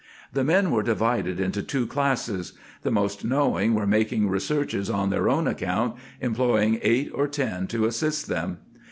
The men were divided into two classes. The most knowing were making researches on their own account, employing eight or ten to assist them.